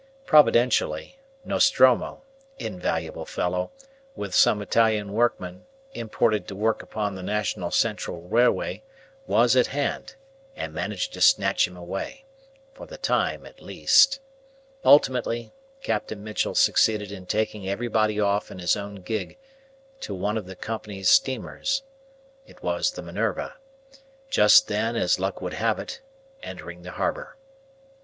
Providentially, Nostromo invaluable fellow with some Italian workmen, imported to work upon the National Central Railway, was at hand, and managed to snatch him away for the time at least. Ultimately, Captain Mitchell succeeded in taking everybody off in his own gig to one of the Company's steamers it was the Minerva just then, as luck would have it, entering the harbour.